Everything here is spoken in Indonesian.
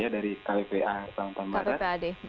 dari kwpa kalimantan barat